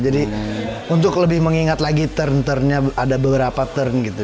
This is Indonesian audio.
jadi untuk lebih mengingat lagi turn turnnya ada beberapa turn gitu